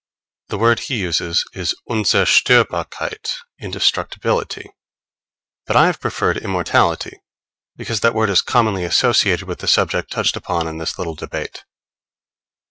The word he uses is Unzerstörbarkeit indestructibility. But I have preferred immortality, because that word is commonly associated with the subject touched upon in this little debate.